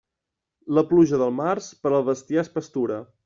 La pluja del març, per al bestiar és pastura.